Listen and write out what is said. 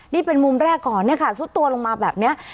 นี่เป็นมุมแรกก่อนเนี่ยค่ะซุดตัวลงมาแบบนี้